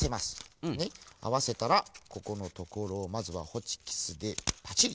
あわせたらここのところをまずはホチキスでパチリ。